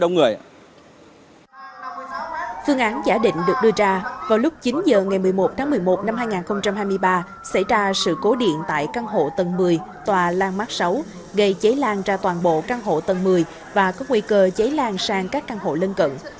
sáng ngày một mươi một tháng một mươi một năm hai nghìn hai mươi ba xảy ra sự cố điện tại căn hộ tầng một mươi tòa landmark sáu gây cháy lan ra toàn bộ căn hộ tầng một mươi và có nguy cơ cháy lan sang các căn hộ lân cận